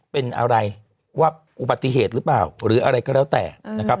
เป็นอะไรว่าอุบัติเหตุหรือเปล่าหรืออะไรก็แล้วแต่นะครับ